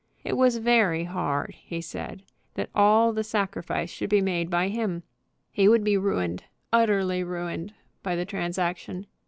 It was very hard, he said, that all the sacrifice should be made by him. He would be ruined, utterly ruined by the transaction.